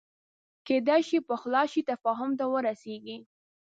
کېدای شوای پخلا شي تفاهم ته ورسېږي